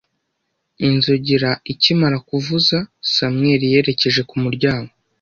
Inzogera ikimara kuvuza, Samuel yerekeje ku muryango.